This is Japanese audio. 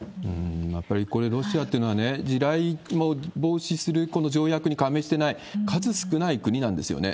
やっぱりこれ、ロシアってのはね、地雷も防止する条約に加盟してない、数少ない国なんですよね。